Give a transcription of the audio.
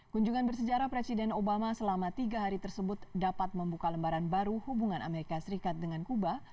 kunjungan bersejarah presiden obama selama tiga hari tersebut dapat membuka lembaran baru hubungan amerika serikat dengan kuba